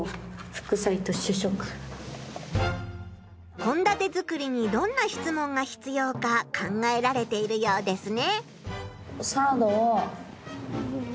こんだて作りにどんな質問が必要か考えられているようですね。